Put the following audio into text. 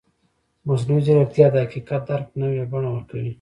مصنوعي ځیرکتیا د حقیقت درک نوې بڼه ورکوي.